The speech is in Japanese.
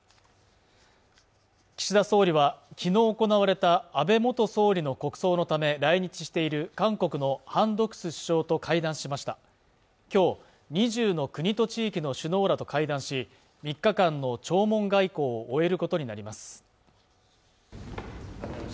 岸田総理は昨日行われた安倍元総理の国葬のため来日している韓国のハン・ドクス首相と会談しました今日２０の国と地域の首脳らと会談し３日間の弔問外交を終えることになります